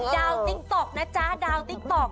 ติ๊กต๊อกนะจ๊ะดาวติ๊กต๊อก